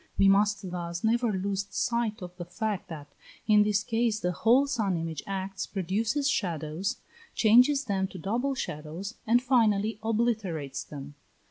We must thus never lose sight of the fact that in this case the whole sun image acts, produces shadows, changes them to double shadows, and finally obliterates them.